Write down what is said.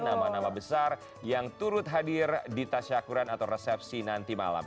nama nama besar yang turut hadir di tasyakuran atau resepsi nanti malam